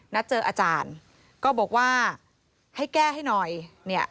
นัดเจออาจารย์ก็บอกว่าให้แก้ให้หน่อยเนี่ย